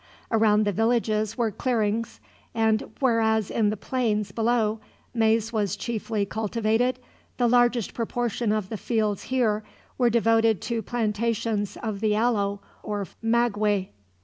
Around the villages were clearings, and whereas in the plains below maize was chiefly cultivated, the largest proportion of the fields, here, were devoted to plantations of the aloe or maguey.